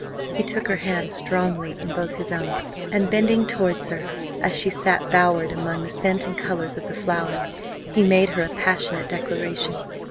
He took her hand strongly in both his own, and bending towards her as she sat bowered among the scent and colours of the flowers, he made her a passionate declaration.